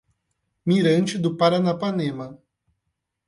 Mirante do Paranapanema